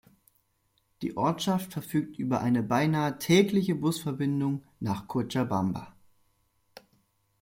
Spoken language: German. Die Ortschaft verfügt über eine beinahe tägliche Busverbindung nach Cochabamba.